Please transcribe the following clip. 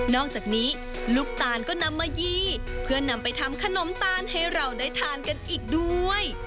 อกจากนี้ลูกตาลก็นำมายี่เพื่อนำไปทำขนมตาลให้เราได้ทานกันอีกด้วย